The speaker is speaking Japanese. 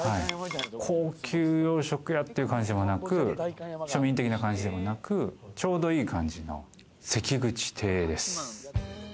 高級洋食屋っていう感じでもなく庶民的な感じでもなく、ちょうどいい感じの、関口亭です。